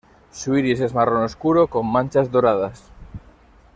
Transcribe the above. Su iris es marrón oscuro, con manchas doradas.